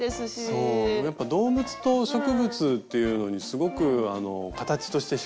そうやっぱ動物と植物っていうのにすごくあの形としてひかれるので。